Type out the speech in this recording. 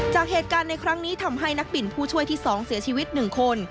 จากเหตุการณ์ในครั้งนี้ทำให้นักบินผู้ช่วยที่๒เสียชีวิต๑คน